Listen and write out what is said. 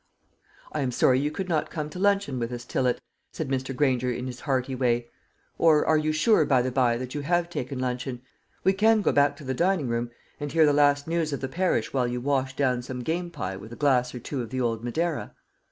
"I am sorry you could not come to luncheon with us, Tillott," said Mr. Granger in his hearty way. "Or are you sure, by the bye, that you have taken luncheon? We can go back to the dining room and hear the last news of the parish while you wash down some game pie with a glass or two of the old madeira."